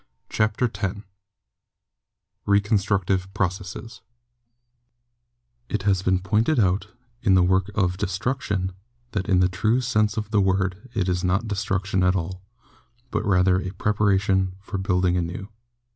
CHAPTER X RECONSTRUCTIVE PROCESSES It has been pointed out, in the work of 'destruction/ that in the true sense of the word it is not destruction at all, but rather a preparation for building anew.